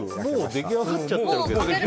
もう出来上がっちゃってるけど。